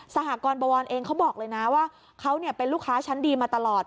สหกรบอยว่าเขาเป็นลูกค้าชั้นดีมาตลอด